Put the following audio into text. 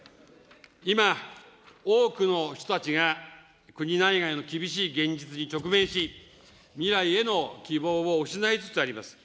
今、多くの人たちが、国内外の厳しい現実に直面し、未来への希望を失いつつあります。